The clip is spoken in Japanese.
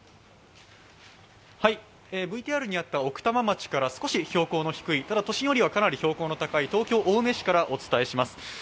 ＶＴＲにあった奥多摩町から、少し標高の低い、でも都心よりはかなり標高の高い東京・青梅市からお伝えします。